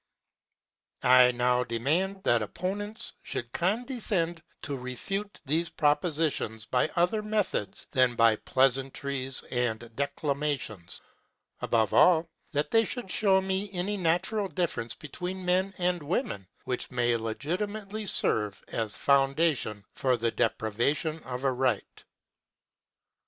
I now demand that opponents should condescend to refute these propositions by other methods than by pleasantries and declamations; above all, that they should show me any natural difference between men and women which may legitimately serve as foundation for the deprivation of a right.